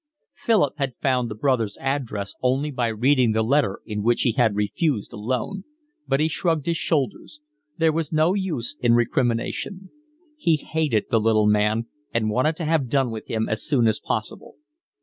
Philip had found the brother's address only by reading the letter in which he refused a loan; but he shrugged his shoulders: there was no use in recrimination. He hated the little man and wanted to have done with him as soon as possible.